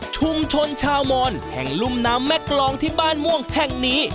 ชุมชนชาวมอนแห่งรุ่มน้ำแม่กรองที่บ้านม่วงแห่งนี้